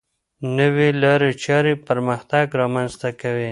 نوې لارې چارې پرمختګ رامنځته کوي.